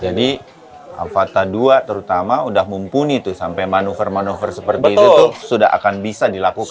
jadi avata dua terutama udah mumpuni tuh sampai manuver manuver seperti itu tuh sudah akan bisa dilakukan